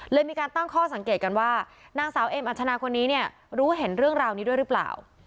มีการตั้งข้อสังเกตกันว่านางสาวเอ็มอัชนาคนนี้เนี่ยรู้เห็นเรื่องราวนี้ด้วยหรือเปล่า